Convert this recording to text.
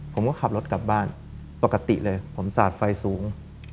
ผมก็ขับรถกลับบ้านปกติเลยผมสาดไฟสูง